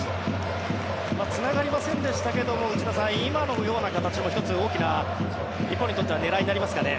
つながりませんでしたが内田さん、今のよう形も１つ日本にとっては狙いになりますかね。